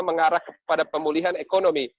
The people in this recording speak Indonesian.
mengarah kepada pemulihan ekonomi